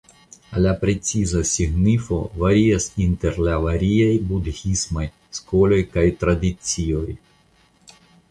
La preciza signifo varias inter la variaj budhismaj skoloj kaj tradicioj.